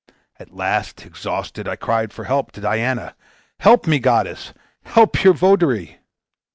At last, exhausted, I cried for help to Diana. 'Help me, goddess! help your votary!'